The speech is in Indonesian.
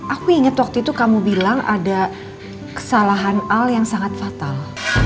aku inget waktu itu kamu bilang ada kesalahan al yang sangat fatal